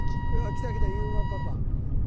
来た来た裕磨パパ。